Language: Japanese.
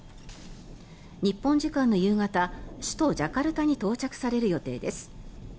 日本時間の夕方首都ジャカルタに到着される予定です。